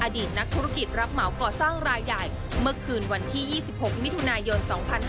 อดีตนักธุรกิจรับเหมาก่อสร้างรายใหญ่เมื่อคืนวันที่๒๖มิถุนายน๒๕๕๙